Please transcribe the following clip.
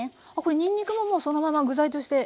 にんにくももうそのまま具材として？